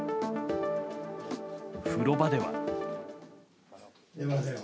風呂場では。